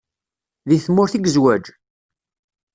Deg tmurt i yezweǧ?